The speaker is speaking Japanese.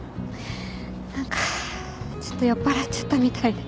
何かちょっと酔っぱらっちゃったみたいで。